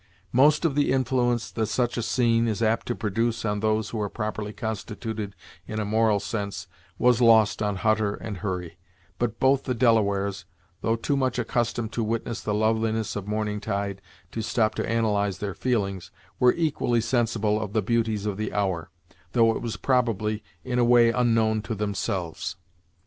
Most of the influence that such a scene is apt to produce on those who are properly constituted in a moral sense, was lost on Hutter and Hurry; but both the Delawares, though too much accustomed to witness the loveliness of morning tide to stop to analyze their feelings, were equally sensible of the beauties of the hour, though it was probably in a way unknown to themselves.